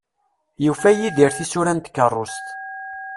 Yufa Yidir tisura n tkerrust.